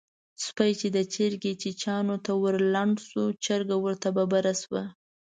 سپی چې د چرګې چیچيانو ته ورلنډ شو؛ چرګه ورته ببره شوه.